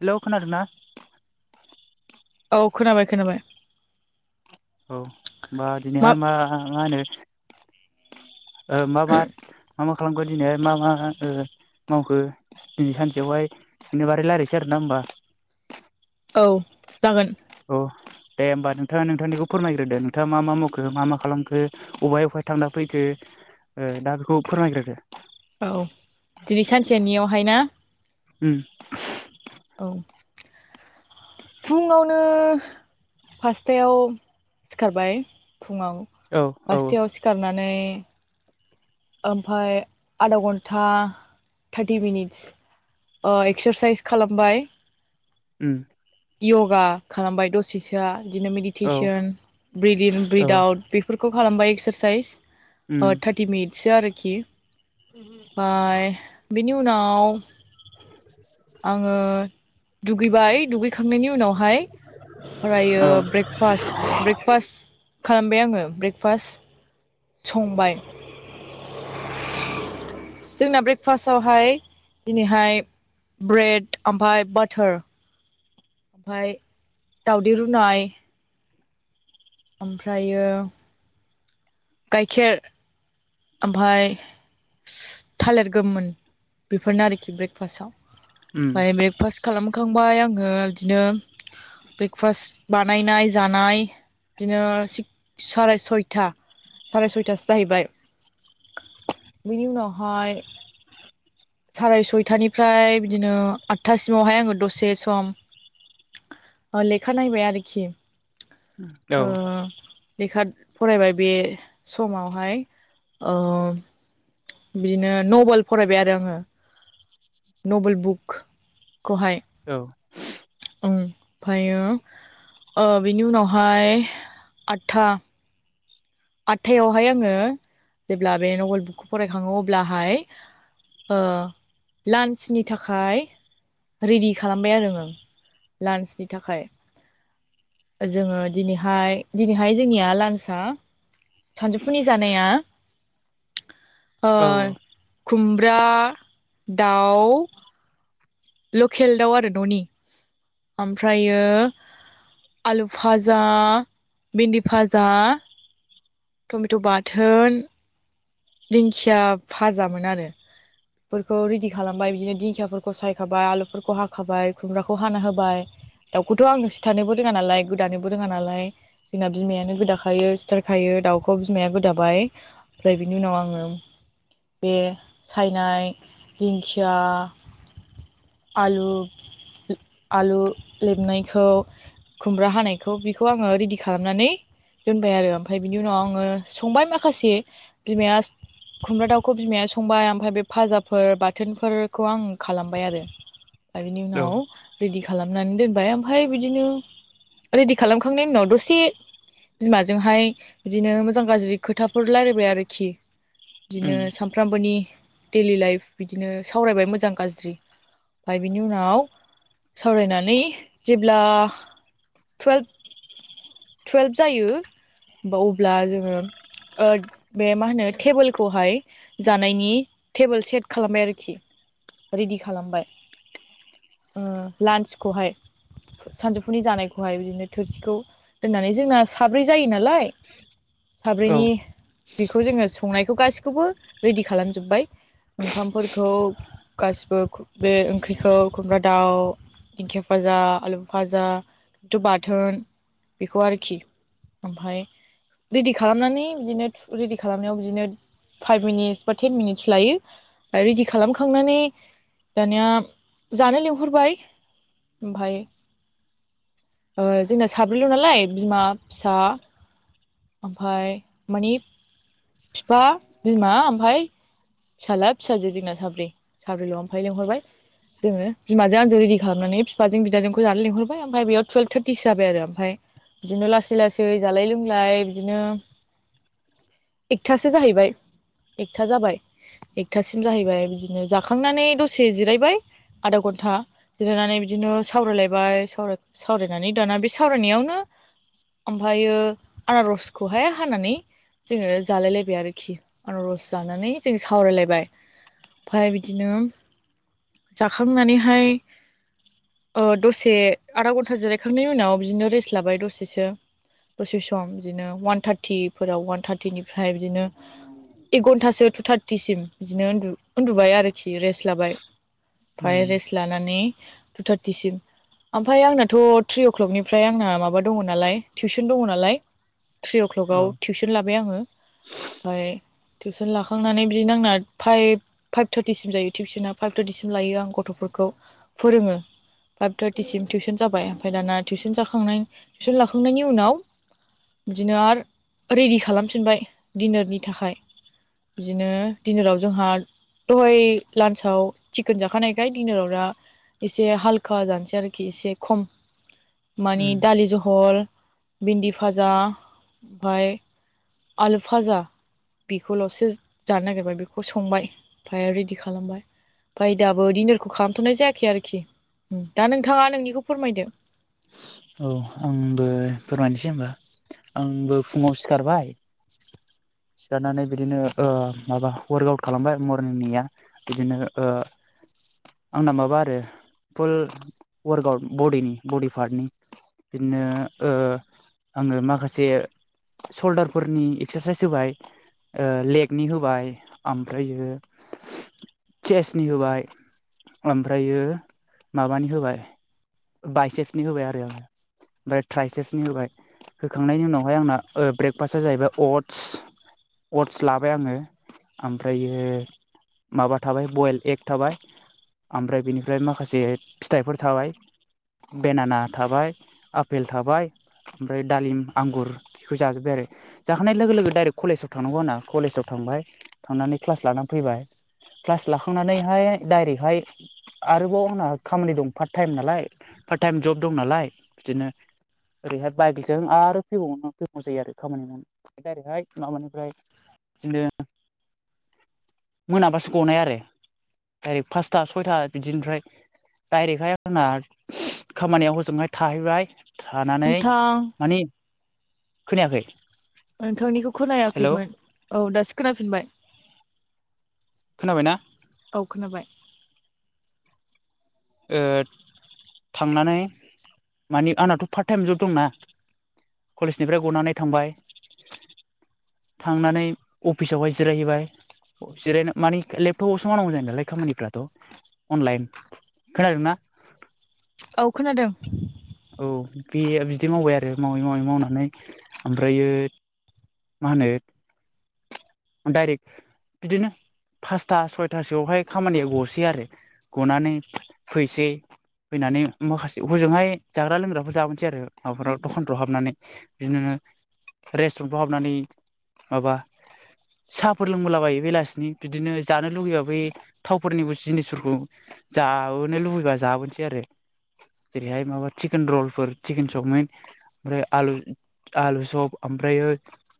Hello खोनादों ना? औ खोनाबाय खोनाबाय। औ होमबा दिनैहाय मा मा होनो ओ मा मा मा मा खालामखो दिनैहाय मा मा ओ मावखो दिनै सानसेयावहाय बिनि बारै लायरायसै आरोना होमबा? औ जागोन। औ दे होमबा नोंथाङा नोंथांनिखौ फोरमायग्रोदो नोंथाङा मा मा मावखो मा मा खालामखो? अबाहाय अबेहाय थांना फैखो ओ दा बेखौ फोरमायग्रोदो। औ दिनै सानसेनियावहाय ना उम औ फुङावनो फासथायाव सिखारबाय फुङाव औ औ फास्टायाव सिखारनानै ओमफ्राय आधा घन्टा थार्टि मिनिटस अ एक्सारसाइस खालामबाय उम य'गा खालामबाय दसेसोआ बिदिनो औ मेडिटेसन ब्रिदिन औ ब्रिद आउट बेफोरखौ खालामबाय एक्सारसाइस उम ओ थार्टि मिनिटसो आरोखि ओय बेनि उनाव आङो दुगैबाय दुगैखांनायनि उनावहाय फरायो औ ब्रेक फास्ट ब्रेकफास्ट खालामबाय आङो ब्रेकफास्ट संबाय। जोंना ब्रेकफास्टावहाय दिनैहाय ब्रेड ओमफ्राय बाटार ओमफाय दावदै रुनाय ओमफ्रायो गाइखेर ओमफाय थालिर गोमोन बेफोरनो आरोखि ब्रेकफास्टाव। उम ओमफाय ब्रेकफास्ट खालामखांबाय आङो इदिनो ब्रेकफास्ट बानायनाय जानाय इदिनो साराय सयथा साराय सयथासो जाहैबाय। बिनि उनावहाय साराय सयथानिफ्राय बिदिनो आठथासिमावहाय आङो दसे सम ओ लेखा नायबाय आरोखि औ ओ लेखाद फरायबाय बे समावहाय ओ बिदिनो नभेल फरायबाय आरो आङो नभेल बुकखौहाय औ ओं ओमफायो ओ बिनि उनावहाय आदथा आटथायावहाय आङो जेब्ला बे नभेल बुकखौ फरायखाङो अब्लाहाय ओ लान्सनि थाखाय रेडि खालामबाय आरो आं लान्चनि थाखाय। जोङो दिनैहाय दिनैहाय जोंनिया लान्सआ सानजौफुनि जानाया ओ औ खुमब्रा दाउ लकेल दाउ आरो द'नि ओमफ्रायो आलु फाजा भिन्दि फाजा टमेट' बाथोन दिंखिया फाजामोन आरो फोरखौ रेदि खालामबाय बिदिनो दिंखियाफोरखौ साय हाखाबाय आलुफोरखौ हाखाबाय खुमब्राखौ हाना होबाय दाउखौथ' आङो सिथानोबो रोङा नालाय गोदानोबो रोङा नालाय जोंना बिमायानो गोदाखायो सिथारखायो दाउखौ बिमाया गोदाबाय। ओमफ्राय बेनि उनाव आङो बे सायनाय दिंखिया आलु आलु लेबनायखौ खुमब्रा हानायखौ बेखौ आङो रेडि खालामनानै दोनबाय आरो ओमफाय बिनि उनाव आङो संबाय माखासे बिमाया खुमब्रा दाउखौ बिमाया संबाय ओमफाय बे फाजाफोर बाथोनफोरखौ आं खालामबाय आरो। दा बिनि उनाव रेडि खालामनानै दोनबाय ओमफाय बिदिनो रेडि खालामखांनायनि उनाव दसे बिमाजोंहाय बिदिनो मोजां गाज्रि खोथाफोर लायरायबाय आरोखि। बिदिनो उम सामफ्रामबोनि दैलि लाइफ बिदिनो सावरायबाय मोजां गाज्रि। फाय बिनि उनाव सावरायनानै जेब्ला टुयेल्भ टुवेल्भ जायो होमबा अब्ला जोङो बे मा होनो टेबोलखौहाय जानायनि टेबोल सेट खालामबाय आरोखि रेडि खालामबाय। ओ लान्सखौहाय सानजौफुनि जानायखौहाय बिदिनो थोरसिखौ दोननानै जोंना साब्रै जायो नालाय औ साब्रैनि बिखौ जोङो संनायखौ गासैखौबो रेडि खालामजोब्बाय ओंखामफोरखौ गासिबो बे ओंख्रिखौ खुमब्रा दाउ दिंखिया फाजा आलु फाजा थ' बाथोन बिखौ आरोखि ओमफाय रेडि खालामनानै दिनो रेडि खालामनायाव बिदिनो फाइभ मिनिटस बा टेन मिनिटस लायो रेडि खालामखांनानै दानिया जानो लिंहरबाय ओमफाय ओ जोंना साब्रैल' नालाय बिमा फिसा ओमफाय मानि बिफा बिमा ओमफाय फिसाला फिसाजो जोंना साब्रै साब्रैल' ओमफाय लेंहरबाय। जोङो बिमाजों आंजो रेडि खालामनानै बिफाजों बिदाजोंखौ जानो लेंहरबाय ओमफाय बेयाव टुवेल्भ थार्टिसो जाबाय आरो। ओमफाय बिदिनो लासै लासै जालाय लोंलाय बिदिनो एकथासो जाहैबाय एकथा जाबाय एकथासिम जाहैबाय बिदिनो जाखांनानै दसे जिरायबाय आधा घन्टा जिरायनानै बिदिनो सावरायलायबाय सावराय सवरायनानै दाना बेसा सावरायनायावनो ओमफ्रायो आनारसखौहाय हानानै जोङो जालाय लायबाय आरोखि आनारस जानानै जों सावरायलायबाय। ओमफाय बिदिनो जाखांनानैहाय ओ दसे आधा घन्टा जिरायखांनायनि उनाव बिदिनो रेस्ट लाबाय दसेसो। दसे सम बिदिनो अवान थारटिफोराव अवान थारटिनिफ्राय दिनो एक घन्टासो टु थार्टिसिम बिदिनो उन्दु उन्दुबाय आरोखि रेस्ट लाबाय। ओमफ्राय उम रेस्ट लानानै टु थार्टिसिम ओमफाय आंनाथ' थ्रि अक्लकनि फ्राय आंना माबा दङ नालाय टिउसन दङ नालाय थ्रि औ अक्लकआव टिउसन लाबाय आङो। ओमफाय टिउसन लाखांनानै बिदि आंना फाइभ फाइभ थार्टिसिम जायो टिउसना फाइभ थार्टिसिम लायो आं गथ'फोरखौ फोरोङो। फाइभ थार्टिसिम टिउसन जाबाय ओमफ्राय दाना टिउसन जाखांनाय टिउसन लाखांनायनि उनाव बिदिनो आरो रेडि खालामफिनबाय दिनारनि थाखाय। बिदिनो दिनाराव जोंहा दहाय लान्साव चिकेन जाखानायखाय डिनाराव दा एसे हालखा जानोसै आरोखि एसे खम। मानि उम दालि जहल भिन्दि भाजा ओमफाय आलु फाजा बेखौल'सो जानो नागेरबाय बेखौ संबाय ओमफ्राय रेडि खालामबाय। ओमफाय दाबो डिनारखौ खालामथ'नाय जायाखै आरोखि दा नोंथाङा नोंनिखौ फोरमायदो। औ आंबो दे फोरमायनोसै होमबा आंबो फुङाव सिखारबाय सिखारनानै बिदिनो ओ माबा वार्कआउट खालामबाय मरनिंनिया बिदिनो ओ आंना माबा आरो फुल वार्कआउट बडिनि बडि पार्टनि। बिदिनो ओ आङो माखासे सल्दारफोरनि एक्सारसाइस होबाय ओ लेगनि होबाय ओमफ्रायो चेसनि होबाय ओमफ्रायो माबानि होबाय बायसेकनि होबाय आरो आङो ट्राइसेपसनि होबाय होखांनायनि उनावहाय आंना ओ ब्रेकफास्टआ जाहैबाय अटस अटस लाबाय आङो ओमफ्रायो माबा थाबाय बयल एग थाबाय ओमफ्राय बेनिफ्राय माखासे फिथाइफोर थाबाय बेनाना थाबाय पेल थाबाय ओमफ्राय दालिम आंगुर बेखौ जाजोब्बाय आरो जाखांनाय लोगो लोगो डाइरेक्ट कलेजाव थांनांगौ आंना कलेजाव थांबाय थांनानै क्लास लानानै फैबाय क्लास लाखांनानैहाय डाइरेक्टहाय आरोबाव आंना खामानि दं पार्ट टाइम नालाय पार्ट टाइम जब दं नालाय बिदिनो ओरैहाय बाइकजों आरो फैबाव फैबावौ जायो आरो खामानि मावा ओरैहाय माबानिफ्राय दिनो मोनाबासो गनाय आरो डायरेक्ट फासथा सयथा बिदिनिफ्राय डाइरेक्टहाय आंना खामानियाव हजोंहाय थाहैबाय थानानै नोंथां मानि खोनायाखै नोंथांनिखौ हेलौ खोनायाखैमोन औ दासो खोनाफिनबाय खोनाबायना औ खोनाबाय थांनानै माने आंनाथ' फार्ट टाइम जब दंना कलेजनिफ्राय गनानै थांबाय थांनानै अफिसावहाय जिरायहैबाय जिरायनो मानि लेपटपावसो मावनांगौ जायो नालाय खामानिफ्राथ' अनलाइन खोनादों ना औ खोनादों औ बे बिदि मावबाय आरो मावै मावै मावनानै ओमफ्रायो मा होनो डाइरेक्ट बिदिनो फासथा सयथासोआवहाय खामानिया गसै आरो गनानै फैसै फैनानै माखासे हजोंहाय जाग्रा लोंग्राफोर जाबोनोसै आरो माबाफोराव दखानफ्राव हाबनानै बि नोङो रेस्टुरेन्टफ्राव हाबनानै माबा साहाफोर लोंबोलाबायो बेलासिनि बिदिनो जानो लुुबैबा बे थावफोरनिबो जिनिसफोरखौ जाबाोनो लुबैबा जाबोनोसै आरो जेरैहाय माबा चिकेन रलफोर चिकेन चावमिन ओमफ्राय आलु आलु सप ओमफ्रायो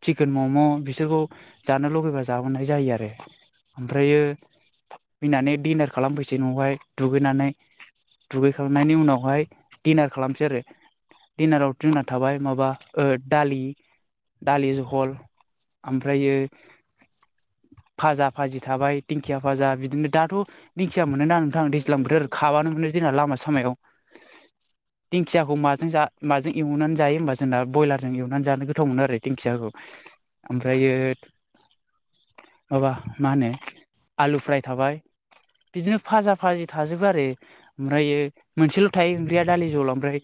चिकेन मम' बिसोरखौ जानो लुबैबा जाबोनाय जायो आरो ओमफ्रायो फैनानै डिनार खालामफैसै न'आवहाय दुगैनानै दुगैखांनायनि उनावहाय डिनार खालामसै आरो दिडिनाराव जोंना थाबाय माबा ओ दालि दालि जहल ओमफ्रायो भाजा भाजि थाबाय दिंखिया भाजा बिदिनो दाथ' दिंखिया मोनोना नोंथां दैज्लां बोथोर खाबानो मोनो जोंना लामा सामायाव दिंखियाखौ माजों जा माजों एवनानै जायो होमबा जोंना ब्रयलारजों एवनानै जानो गोथाव मोनो आरो दिंखियाखौ ओमफ्रायो माबा मा होनो आलु फ्राय थाबाय बिदिनो फाजा भाजि थाजोबो आरो ओमफ्राय मोनसेल' थायो ओंख्रिया दालि जहल ओमफ्राय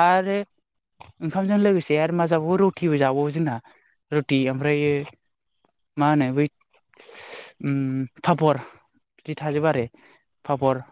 आरो ओंखामजों लोगोसे आरो मा जाबावो रटिबो जाबावो जोंना ति ओमफ्रायो मा होनो बै ओम पापर बिदि थाजोबो आरो पापर